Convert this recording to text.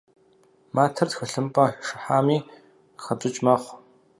Матэр тхылъымпӏэ шыхьами къыхэпщӏыкӏ мэхъур.